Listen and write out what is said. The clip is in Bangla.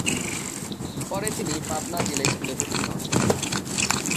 পরে তিনি পাবনা জিলা স্কুলে ভর্তি হন।